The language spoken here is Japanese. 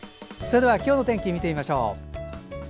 それでは、今日の天気を見てみましょう。